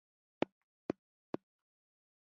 اوس دا پوځ اړ و چې خپله محاصره ماته کړي